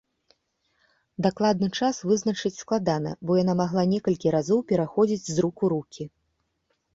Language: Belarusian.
Дакладны час вызначыць складана, бо яна магла некалькі разоў пераходзіць з рук у рукі.